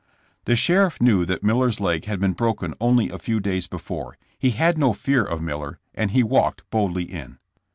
The sheriff knew that Miller's leg had been broken only a few days before. He had no fear of Miller, and he walked boldly in.